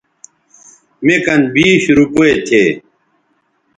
مے کن بیش روپے تھے